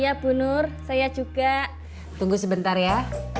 ya bunur saya juga tunggu sebentar ya